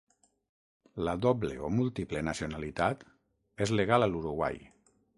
La doble o múltiple nacionalitat és legal a l'Uruguai.